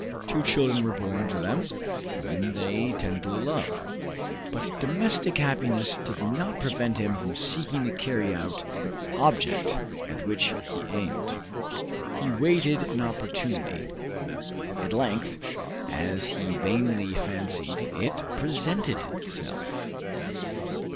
Two children were born to them, whom they tenderly loved. But domestic happiness did not prevent him from seeking to carry out the object at which he aimed. He waited an opportunity. At length, as he vainly fancied, it presented itself.